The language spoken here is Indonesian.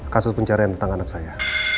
kasus pencarian tentang anak saya